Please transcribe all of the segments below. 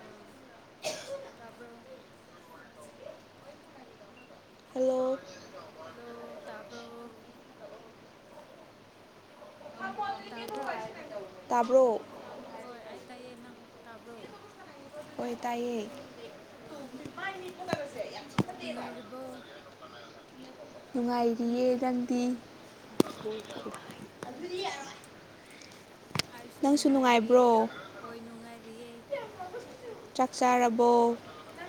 ꯑꯥ ꯇꯥꯕ꯭ꯔꯣ hello hello ꯇꯥꯕ꯭ꯔꯣ ꯇꯥꯕ꯭ꯔꯣ ꯇꯥꯕ꯭ꯔꯣ ꯇꯌꯦ ꯅꯪ ꯇꯥꯕ꯭ꯔꯣ ꯑꯣꯏ ꯇꯥꯏꯌꯦ ꯅꯨꯡꯉꯥꯏꯔꯤꯕ ꯅꯨꯡꯉꯥꯏꯔꯤꯌꯦ ꯅꯪꯗꯤ [unintelligible] ꯑꯩꯁꯨ ꯅꯨꯡꯉꯥꯏꯔꯤꯌꯦ ꯍꯣꯏ ꯅꯨꯡꯉꯥꯏꯔꯤꯑꯦ ꯆꯥꯛ ꯆꯥꯔꯕꯣ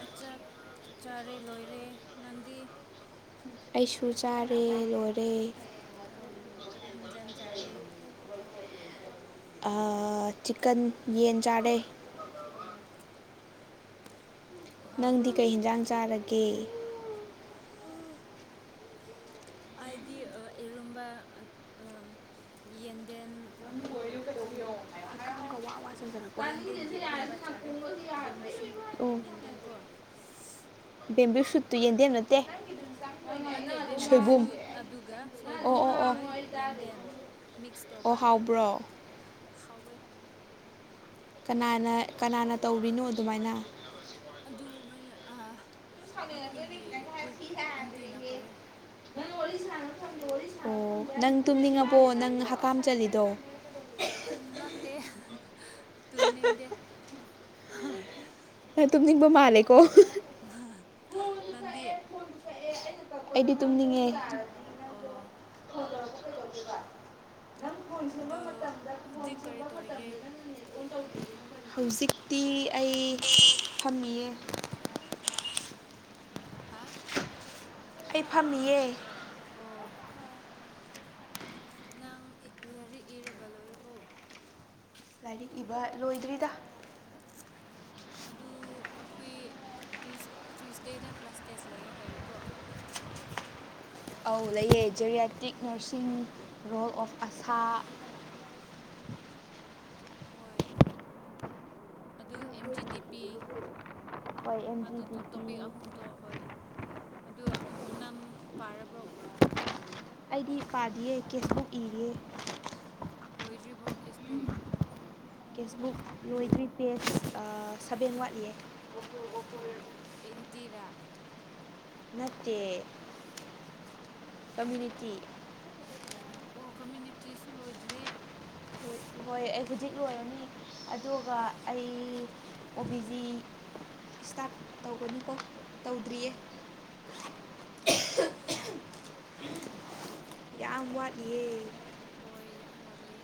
ꯥꯛ ꯆꯥꯔꯦ ꯂꯣꯏꯔꯦ ꯅꯟꯗꯤ ꯑꯩꯁꯨ ꯆꯥꯔꯦ ꯂꯣꯏꯔꯦ ꯑꯧ ꯀꯔꯤ ꯍꯦꯟꯖꯥꯟ ꯆꯥꯔꯦ ꯆꯤꯛꯀꯟ ꯌꯦꯟ ꯆꯥꯔꯦ ꯅꯪꯗꯤ ꯀꯩ ꯌꯦꯟꯖꯥꯡ ꯆꯥꯔꯒꯦ ꯍꯥꯏꯗꯤ ꯑ ꯑꯦꯔꯕ ꯑ ꯌꯦꯟꯗꯦꯟ ꯑꯗꯨ ꯀꯔꯤ ꯌꯥ [inaudible] ꯇꯕꯤ ꯁꯨꯠꯇꯇꯩ ꯌꯦꯗꯅꯠꯇ ꯅꯠꯇꯦ ꯕꯦꯝꯕꯨ ꯁꯨꯠ ꯑꯗꯨꯒ ꯁꯣꯏꯕꯨꯝ ꯑꯗꯨꯒ ꯌꯦꯟꯗꯦꯟ ꯑꯣꯍꯥꯎꯕ꯭ꯔꯣ ꯍꯥꯎꯋꯣꯏ ꯀꯅꯥꯅ ꯀꯅꯥꯅ ꯇꯧꯕꯤꯅꯣ ꯑꯗꯨꯃꯥꯏꯅ ꯑꯗꯨꯃꯥꯏꯅ ꯁꯅꯗ ꯍꯥꯁꯤ ꯍꯥꯏ ꯍꯥꯖꯔꯦꯦ ꯑꯣ ꯅꯪ ꯇꯨꯝꯅꯤꯡꯉꯕꯣ ꯅꯪ ꯍꯀꯝ ꯆꯂꯤꯗꯣ ꯎ ꯅꯠꯇꯦ ꯇꯨꯡꯅꯤꯗꯦ ꯇꯨꯃꯤꯅꯤ ꯃꯥ ꯂꯩꯦ ꯀꯣ ꯅꯗꯤꯤ ꯑꯩꯗꯤ ꯇꯨꯝꯅꯤꯡꯉꯦ ꯑꯣ ꯑꯗꯨ ꯍꯧꯖꯤꯛ ꯀꯔꯤ ꯇꯧꯔꯤꯒꯦ ꯍꯧꯖꯤꯛꯇꯤ ꯑꯩ ꯐꯝꯃꯤꯌꯦ ꯍꯥ ꯑꯩ ꯐꯝꯃꯤꯌꯦ ꯅꯪ ꯂꯥꯏꯔꯤꯛ ꯏꯔꯕ ꯂꯣꯏꯔꯕꯣ ꯂꯥꯏꯔꯤꯛ ꯏꯕ ꯂꯣꯏꯗ꯭ꯔꯤꯗ ꯑꯗꯨ ꯑꯩꯈꯣꯏ ꯇ꯭ꯌꯨꯁꯗꯦꯗ ꯀ꯭ꯂꯥꯁ ꯇꯦꯁ ꯂꯥꯛꯑꯦ ꯍꯥꯏꯌꯦꯀꯣ ꯑꯧ ꯂꯩꯌꯦꯦ ꯖꯦꯔꯤꯌꯥꯇꯤꯛ ꯅꯔꯁꯤꯡ ꯔꯣꯜ ꯑꯣꯐ ꯑꯁꯥ ꯍꯣꯏ ꯑꯗꯨ ꯑꯦꯝ ꯖꯤ ꯗꯤ ꯄꯤ ꯋꯥꯏ ꯑꯦꯟ ꯖꯤ ꯗꯤ ꯄꯤ ꯑꯣ ꯅꯪ ꯄꯥꯔꯕ꯭ꯔꯣ ꯑꯩꯗꯤ ꯏꯄꯥꯥꯗꯤꯌꯦ ꯀꯦꯁꯨ ꯏꯔꯤ ꯂꯣꯏꯗ꯭ꯔꯤꯕꯣ ꯀꯁꯕꯨ ꯀꯦꯁꯕꯨꯛ ꯌꯣꯏꯗꯤ ꯏꯁꯄꯦꯁ ꯁꯚꯦꯟ ꯋꯥꯠꯂꯦ ꯅꯠꯇꯦ ꯀꯃꯨꯅꯤꯇꯤ ꯑꯣ ꯑꯣ ꯀꯃꯨꯅꯤꯇꯤꯁꯨ ꯂꯣꯏꯗ꯭ꯔꯦ ꯍꯣꯏ ꯑꯩ ꯍꯧꯖꯤꯛ ꯂꯣꯏꯔꯅꯤ ꯑꯗꯨꯒ ꯑꯩ ꯑꯣꯕꯤ ꯖꯤ ꯏꯁꯇꯥꯔꯠ ꯇꯧꯒꯅꯤꯀꯣ ꯇꯧꯗꯔꯤꯔꯤꯑꯦ ꯌꯥꯝ ꯋꯥꯠꯑꯦ ꯍꯣꯏ ꯌꯥꯝ ꯋꯥꯠꯂꯤ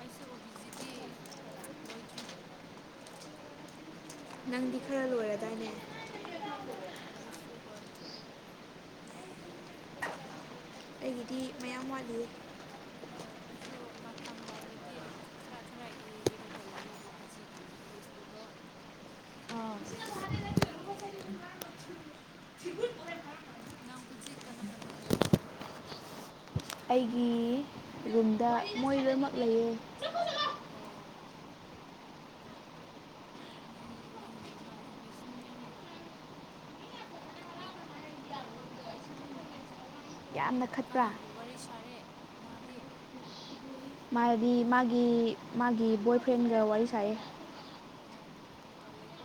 ꯑꯩꯁꯨ ꯑꯣꯕꯤꯖꯤꯗꯤ ꯂꯣꯏꯗ꯭ꯔꯦ ꯅꯪꯗꯤ ꯈꯔ ꯂꯣꯏꯔꯗꯥꯏꯅꯦ ꯑꯗꯨꯁꯨꯁꯨ ꯍꯣꯏ ꯑꯩꯒꯤꯗꯤ ꯃꯌꯥꯝ ꯋꯥꯠꯂꯤ ꯍꯣꯏ ꯑꯩꯁꯨ ꯃꯐꯝ ꯂꯥꯏꯔꯗꯤ ꯈꯔ ꯈꯔ ꯏ ꯏꯔꯒ ꯂꯩꯌꯦ ꯑꯣ ꯕꯤ ꯖꯤꯒꯤ ꯀꯦꯁꯕꯨꯛꯇꯣ ꯋꯥ ꯎꯝ ꯅꯪ ꯍꯧꯨꯖꯤꯛ ꯀꯅꯥ ꯀꯟꯅ ꯂꯩꯌꯦ ꯅꯪꯉꯣꯟꯗ ꯑꯩꯒꯤ ꯔꯨꯝꯗ ꯃꯣꯏ ꯂꯣꯏꯅꯃꯛ ꯂꯩꯌꯦ ꯅꯪ ꯅꯪꯒꯤ ꯏꯃꯥꯟꯅꯨꯕꯤꯁꯨ ꯌꯥꯝꯅ ꯇꯔꯤ ꯀꯅꯥꯕꯨ ꯋꯥꯔꯤ ꯁꯥꯔꯦ ꯃꯥꯗꯤ ꯃꯥꯗꯤ ꯃꯥꯒꯤ ꯃꯥꯒꯤ ꯕꯣꯏ ꯐ꯭ꯔꯦꯟꯒ ꯋꯥꯔꯤ ꯁ ꯑꯣ ꯇꯥꯂꯦꯀꯣ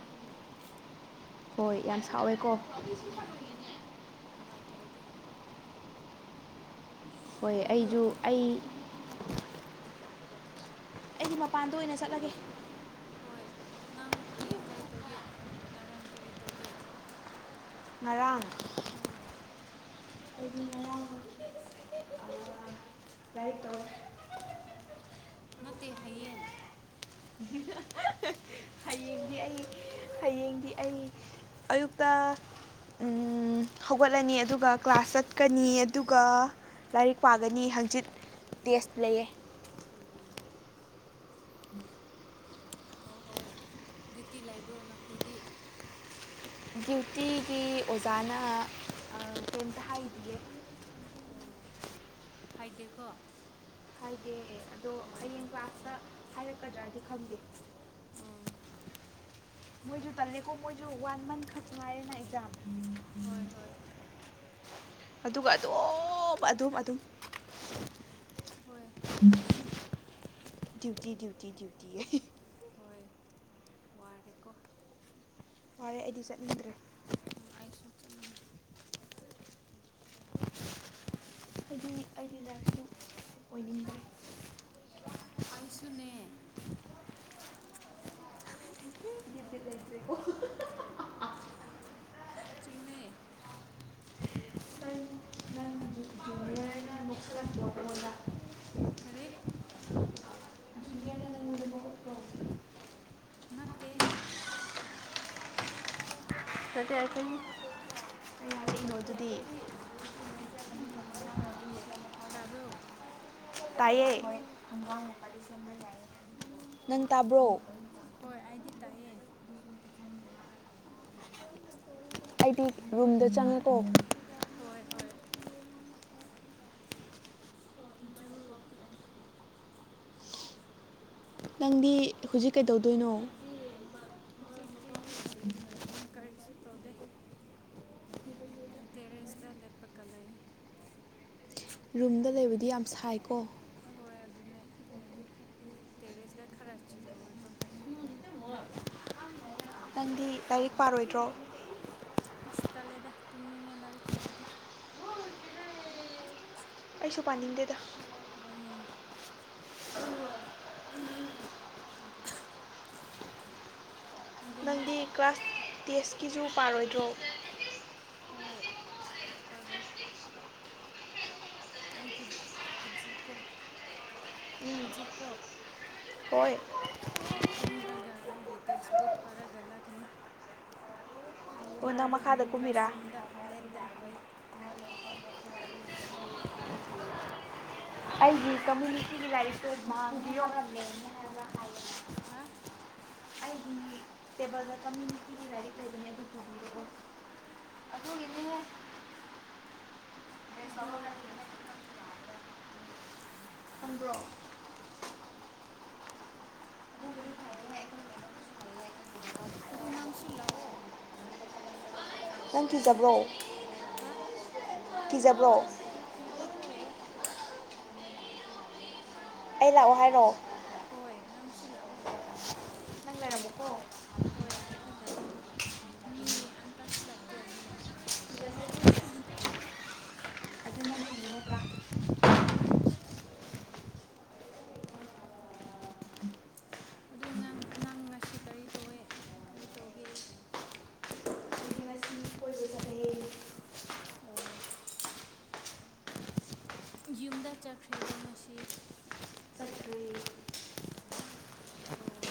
ꯍꯣꯏ ꯌꯥꯝ ꯁꯥꯎꯋꯦꯀꯣ ꯎꯝ ꯅꯨꯡꯉꯥꯏꯇꯦ ꯑꯩꯗꯤ ꯍꯣꯏ ꯑꯩꯁꯨ ꯑꯩ ꯑꯩꯗꯤ ꯃꯄꯥꯟꯗ ꯑꯣꯏꯅ ꯆꯠꯂꯒꯦ ꯍꯣꯏ ꯅꯪ ꯍꯌꯦꯡ ꯀꯔꯤ ꯇꯧꯒꯦ ꯅꯔꯥꯟ ꯀꯔꯤ ꯇꯧꯒꯦ ꯉꯔꯥꯡ ꯎꯝ ꯏ ꯥꯏ ꯇꯣ ꯅꯠꯇꯦ ꯍꯌꯦꯡ ꯍꯌꯦꯡꯗꯤ ꯑꯩ ꯍꯌꯦꯡꯗꯤ ꯑꯩ ꯑꯌꯨꯛꯇ ꯍꯧꯒꯠꯂꯅꯤ ꯑꯗꯨꯒ ꯀ꯭ꯂꯥꯁ ꯆꯠꯀꯅꯤ ꯑꯗꯨꯒ ꯂꯥꯏꯔꯤꯛ ꯄꯥꯒꯅꯤ ꯍꯪꯆꯤꯠ ꯇꯦꯁ ꯂꯩꯌꯦꯦ ꯎꯝ ꯍꯣꯏ ꯍꯣꯏ ꯗꯇꯤ ꯂꯩꯕ꯭ꯔꯣ ꯅꯈꯣꯏꯗꯤ ꯑꯩ ꯑꯣꯖꯥꯅ ꯀꯩꯝꯇ ꯍꯥꯏꯈꯤꯌꯦ ꯐꯥꯏꯗꯦ ꯀꯣ ꯍꯥꯏꯒꯦ ꯑꯗꯣ ꯍꯌꯦꯡ ꯀ꯭ꯂꯥꯁꯇ ꯍꯥꯏꯔꯛꯀꯗ꯭ꯔꯗꯤ ꯈꯪꯗꯦ ꯃꯣꯏꯁꯨ ꯇꯜꯂꯦꯀꯣ ꯃꯣꯏꯁꯨ ꯋꯥꯟ ꯃꯟ ꯈꯛꯇ ꯉꯥꯏꯔꯦꯅ ꯑꯦꯛꯖꯥꯝ ꯍꯣꯏ ꯍꯣꯏ ꯑꯗꯨꯒ ꯑꯗꯨꯝ ꯑꯗꯨꯝ ꯑꯗꯨꯝ ꯍꯣꯏ ꯗ꯭ꯌꯨꯇꯤ ꯗ꯭ꯌꯨꯇꯤ ꯗ꯭ꯌꯨꯇꯤ ꯍꯣꯏ ꯋꯥꯔꯀꯣ ꯐꯔꯦ ꯑꯩꯗꯤ ꯆꯠꯅꯤꯡꯗ꯭ꯔꯦ ꯑꯥꯏꯁꯨ ꯆ ꯃꯅ ꯑꯩꯒꯤ ꯂꯥꯏꯔꯤꯛꯁꯨꯨ ꯑꯣꯏꯅꯤꯡꯕ ꯑꯩꯁꯨꯅꯦ ꯆꯃꯦ ꯀꯔꯤ ꯅꯠꯇ ꯑꯗꯨ ꯑꯩꯇꯣꯏ ꯑꯗꯤ ꯇꯥꯕ꯭ꯔꯣ ꯇꯥꯏꯌꯦ ꯅꯪ ꯇꯥꯕ꯭ꯔꯣ ꯍꯣꯏ ꯑꯩꯗꯤ ꯇꯥꯏꯑꯦ ꯑꯩꯗꯤ ꯔꯨꯝꯗ ꯆꯪꯉꯦꯀꯣ ꯌ [inaudible] ꯅꯪꯗꯤ ꯍꯧꯖꯤꯛ ꯀꯩꯗꯧꯗꯣꯏꯅꯣ ꯍꯧꯖꯤꯛꯗꯤ ꯀꯔꯤꯁꯨ ꯇꯧꯗꯦ ꯇꯔꯦꯁꯗ ꯂꯦꯞꯄꯀ ꯂꯩꯥꯏ ꯔꯨꯝꯗ ꯂꯩꯕꯗꯤ ꯌꯥꯝ ꯁꯥꯏꯀꯣ ꯑꯗꯨꯅꯦ ꯇꯦꯔꯦꯁꯗ ꯈꯔ ꯆꯤꯜ ꯑꯣꯢꯀꯣ ꯂꯥꯏꯔꯤꯛ ꯄꯥꯔꯣꯏꯗ꯭ꯔꯣ ꯑꯁ ꯇꯥꯜꯂꯦꯗ ꯇꯨꯝꯅꯤꯡꯉꯦ ꯂꯥꯏꯔꯤꯛ ꯄꯥꯅꯤꯡꯗꯦ ꯑꯩꯁꯨ ꯄꯥꯅꯤꯡꯗꯦꯗ ꯎꯝ ꯅꯪꯗꯤ ꯀ꯭ꯂꯥꯁ ꯇꯦꯁꯀꯤꯁꯨ ꯄꯥꯔꯣꯏꯗ꯭ꯔꯣ ꯍꯣꯏ ꯄꯥꯔꯣꯏ ꯑꯩ ꯍꯨꯖꯤꯀꯣ ꯍꯨꯖꯤ ꯀꯣ ꯍꯣꯏ ꯀꯨꯝꯔꯒ ꯑꯩꯒꯤ ꯇꯦꯛꯁꯕꯨꯛ ꯄꯥꯔꯒ ꯂꯥꯛꯀꯅꯤ ꯑꯩꯈꯣꯏꯒꯤ ꯀ꯭ꯂꯥꯁꯔꯨꯝꯗ ꯂꯦꯞꯇ ꯍꯣꯏ ꯑꯩꯒꯤ ꯀꯝꯃꯨꯅꯤꯇꯤ ꯒꯤ ꯂꯥꯏꯔꯤꯛꯇꯨ [inaudible] ꯍꯥ ꯑꯩꯒꯤ ꯇꯦꯕꯜꯗ ꯀꯝꯃꯨꯅꯤꯇꯤꯒꯤ ꯂꯥꯏꯔꯤꯛ ꯐꯩꯕꯅꯦ ꯑꯗꯨ ꯄꯨꯕꯤꯔꯛꯑꯣ ꯑꯗꯨꯒꯤꯅꯤꯍꯦ ꯑꯗꯨ ꯈꯪꯗ꯭ꯔꯣ ꯑꯗꯨꯕꯨꯅ ꯊꯥꯡꯅꯦ ꯃꯁꯨ ꯊꯏ [inaudible] ꯅꯪꯁꯨꯨ ꯂꯥꯛꯑꯣ ꯀꯤꯖꯕ꯭ꯔꯣ ꯍꯥ ꯀꯤꯖꯕ꯭ꯔꯣ ꯀꯤꯗꯦꯀꯣ ꯑꯩ ꯂꯥꯛꯑꯣ ꯍꯥꯏꯔꯣ ꯍꯣꯏ ꯅꯪꯁꯨ ꯂꯥꯛꯑꯣ ꯉꯥꯢꯔꯥꯝꯃꯨꯀꯣ [inaudible] ꯍꯣꯏ ꯑꯩꯗꯤ ꯂꯥꯛꯔꯤꯛ ꯃꯤ ꯑꯝꯇꯁꯨ ꯂꯥꯛꯇꯦ ꯑꯗꯨꯅꯦ [inaudible] ꯑꯗꯨ ꯅꯪ ꯉꯁꯤ ꯀꯔꯤ ꯇꯧꯋꯦ ꯀꯔꯤ ꯇꯧꯒꯦ ꯉꯁꯤ ꯑꯣ ꯌꯨꯝꯗ ꯆꯠꯈ꯭ꯔꯦꯕꯣ ꯉꯁꯤ ꯑꯣ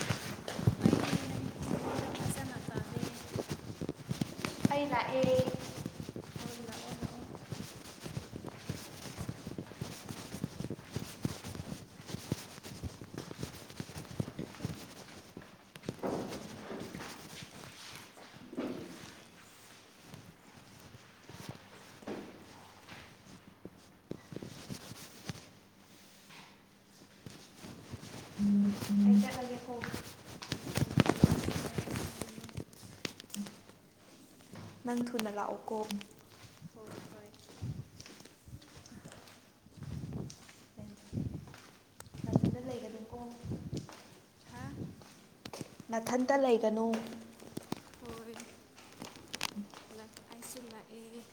ꯑꯩ ꯅꯪꯒꯤ ꯅꯪꯉꯣꯟꯗ ꯐꯖꯅ ꯇꯥꯗꯦ ꯑꯩ ꯂꯥꯛꯌꯦ ꯑꯣ ꯂꯥꯛꯑꯣ ꯂꯥꯛꯑꯣ ꯍꯣꯏ ꯑꯩꯁꯨ ꯂꯛꯀꯅꯤ ꯆꯠꯂꯣ ꯅꯪ ꯊꯨꯅ ꯂꯥꯛꯎꯀꯣ ꯍꯣꯏ ꯍꯣꯏ ꯍꯥꯥ ꯅꯥꯊꯟꯇ ꯂꯩꯒꯅꯨ ꯍꯣꯏ ꯑꯩꯁꯨ ꯂꯥꯛꯌꯦ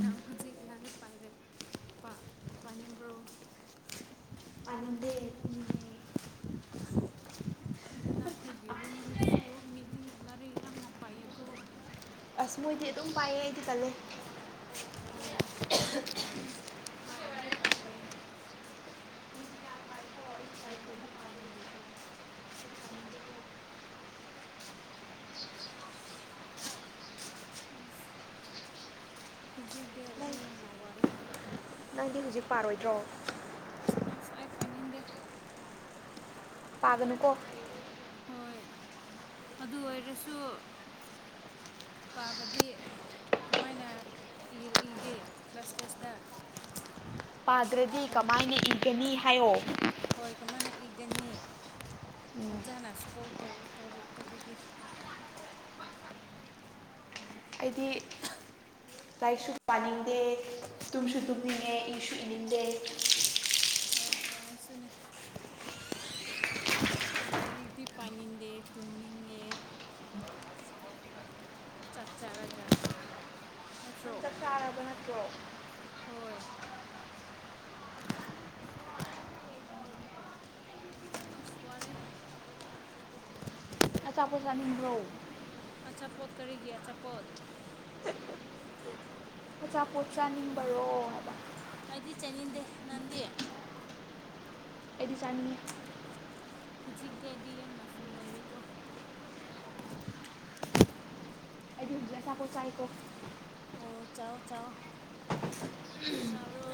ꯅꯪ ꯍꯧꯖꯤꯛ ꯂꯥꯏꯔꯤꯛ ꯄꯥꯏꯔꯦ ꯄꯥꯅꯤꯡꯕ꯭ꯔꯣ [inaudible] ꯑꯗꯨꯅ ꯑꯩꯈꯣꯏꯒꯤ ꯔꯨꯝꯁꯨ ꯃꯤꯗꯤ ꯂꯥꯏꯔꯤꯛ ꯌꯥꯝꯅ ꯄꯥꯏꯌꯦꯀꯣ ꯑꯁ ꯃꯣꯏꯗꯤ ꯑꯗꯨꯝ ꯄꯥꯏꯌꯦ ꯍꯥꯏꯗꯤ ꯀꯜꯂꯦ ꯍꯣꯏ ꯐꯔꯦꯗꯤ ꯐꯔꯦ ꯑꯈꯣꯏꯗ ꯄꯥꯟꯗꯀ [inaudible] ꯑꯁ ꯍꯧꯖꯤꯛꯇꯤ ꯑꯩꯗꯤ ꯌꯥꯝꯅ ꯋꯥꯔꯦ ꯅꯪꯗꯤ ꯍꯧꯖꯤꯛ ꯄꯥꯔꯣꯏꯗ꯭ꯔꯣ ꯑꯁ ꯑꯥꯏ ꯄꯟ ꯍꯗꯦ ꯄꯥ ꯑꯗꯨꯅꯀꯣ ꯍꯣꯏ ꯑꯗꯨ ꯑꯣꯏꯔꯁꯨ ꯄꯥꯕꯗꯤ ꯀꯃꯥꯏꯅ ꯏꯒꯦ ꯀ꯭ꯂꯥꯁ ꯇꯦꯁꯇ ꯄꯥꯗ꯭ꯔꯗꯤ ꯀꯃꯥꯏꯅ ꯏꯒꯅꯤ ꯍꯥꯏꯌꯣ ꯏꯒꯅꯤ ꯑꯣꯖꯅ ꯁꯀꯣꯠ ꯇꯣ ꯇꯣꯔꯔꯤ ꯇꯣꯕꯤꯒꯦ ꯑꯩꯗꯤ ꯂꯥꯏꯔꯤꯛꯁꯨ ꯄꯥꯅꯤꯡꯗꯦ ꯇꯨꯝꯁꯨ ꯇꯨꯝꯅꯤꯡꯉꯦ ꯏꯁꯨ ꯏꯅꯤꯡꯗꯦ ꯑꯁꯨꯅꯦ ꯂꯥꯏꯔꯤꯛꯇꯛꯇꯤ ꯄꯥꯅꯤꯡꯗꯦ ꯇꯨꯝꯅꯤꯡꯉꯦ ꯆꯠ ꯆꯔꯒ ꯅꯠꯇ꯭ꯔꯣ ꯍꯣꯏ ꯑꯁꯋꯥꯔꯦ ꯑꯁꯥ ꯐꯣꯖꯥ ꯅꯤꯡꯕ꯭ꯔꯣ ꯑꯆꯥꯄꯣꯠ ꯀꯔꯤꯒꯤ ꯑꯆꯥꯄꯣꯠ ꯄꯣꯆꯥꯄꯣꯠ ꯆꯥꯅꯤꯡꯕꯔꯣ ꯍꯥꯏꯕ ꯑꯩꯗꯤ ꯆꯥꯏꯅꯤꯡꯗꯦ ꯅꯟꯗꯦ ꯍꯧꯖꯤꯛꯇꯤ ꯑꯩꯗꯤ ꯌꯥꯝ ꯅꯐꯨ ꯑꯣꯏꯔꯦꯀꯣ ꯕꯨ ꯆꯥꯏꯀꯣ ꯑꯣ ꯆꯥꯎ ꯆꯥꯎ ꯆꯔꯣ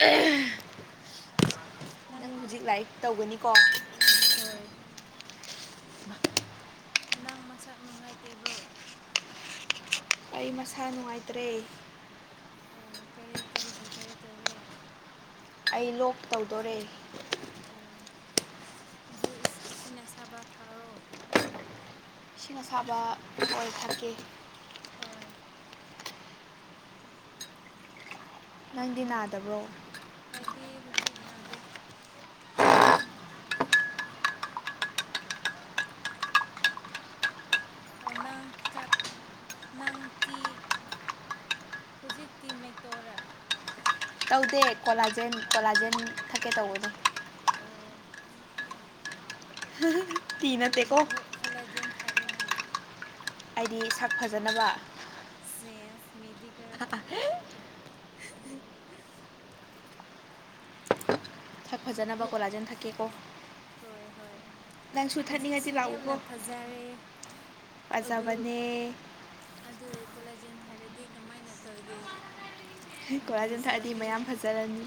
ꯑ ꯅꯪ ꯍꯧꯖꯤꯛ ꯂꯥꯏꯛ ꯇꯧꯒꯅꯤꯀꯣ ꯍꯣꯏ ꯅꯪ ꯃꯁꯛ ꯅꯨꯡꯉꯥꯏꯇꯦꯕ꯭ꯔꯣ ꯑꯩ ꯃꯁꯥ ꯅꯨꯡꯉꯥꯏꯇ꯭ꯔꯦ ꯑꯣ ꯀꯔꯤ ꯀꯔꯤꯒꯤ ꯀꯔꯤ ꯇꯧꯔꯦ ꯑꯩ ꯂꯣꯛ ꯇꯧꯗꯣꯔꯦ ꯑꯣ ꯑꯗꯨ ꯏꯁꯤꯡ ꯑꯁꯥꯕ ꯊꯥꯔꯣ ꯑꯁꯤꯁꯤꯡꯅ ꯁꯥꯥꯕ ꯑꯣꯏ ꯊꯛꯀ ꯅꯪꯗꯤ ꯅꯥꯗꯕ꯭ꯔꯣ ꯗꯤ ꯍꯧꯖꯤꯛ ꯅꯅꯥꯗꯤ ꯅꯪ ꯆꯥꯛ ꯅꯪꯇꯤ ꯍꯧꯖꯤꯛꯇꯤ ꯃꯦꯛꯇꯣꯔ ꯇꯧꯗꯦ ꯀꯣꯂꯥꯖꯦꯟ ꯀꯣꯂꯥꯖꯦꯟ ꯊꯛꯀꯦ ꯇꯧꯕꯅꯣ ꯑꯣ ꯍ ꯀꯔꯤꯒꯤ ꯈꯣꯠꯂꯁꯦꯅ ꯊꯥꯔꯦ ꯅ ꯍꯥꯏꯗꯤ ꯁꯛ ꯐꯖꯅꯕ ꯁꯦꯃꯦꯗꯤꯒ ꯊꯥꯛ ꯐꯖꯅꯕ ꯀꯣꯂꯥꯖꯦꯟ ꯊꯥ ꯀꯣ ꯅꯪꯁꯨ ꯊꯥꯅꯤꯡꯉꯥꯏꯗꯤ ꯂꯥꯛꯎꯀꯣ ꯐꯖꯕꯅꯦ ꯑꯗꯨ ꯀꯣꯂꯥꯖꯟ ꯊꯥꯔꯗꯤ ꯀꯃꯥꯏꯅ ꯇꯧꯒꯦ ꯀꯣꯔꯥ ꯌꯟꯊꯛꯑꯗꯤ ꯃꯌꯥꯝ ꯐꯖꯔꯅꯤ